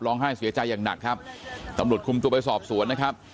ให้เสียใจอย่างหนักครับตำรวจคุมตัวไปสอบสวนนะครับ